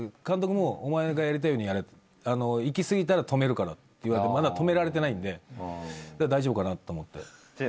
監督も「お前がやりたいようにやれ」「行き過ぎたら止めるから」って言われて止められてないんで大丈夫かなと思って。